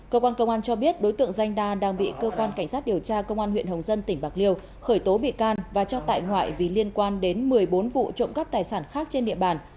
cơ quan công an cho biết đối tượng danh đa đang bị cơ quan cảnh sát điều tra công an huyện hồng dân tỉnh bạc liêu khởi tố bị can và cho tại ngoại vì liên quan đến một mươi bốn vụ trộm cắp tài sản khác trên địa bàn